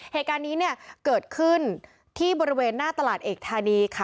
เหตุการณ์นี้เนี่ยเกิดขึ้นที่บริเวณหน้าตลาดเอกธานีค่ะ